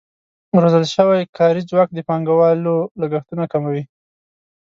روزل شوی کاري ځواک د پانګوالو لګښتونه کموي.